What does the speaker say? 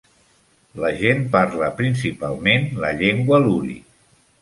La gent parla principalment la llengua luri.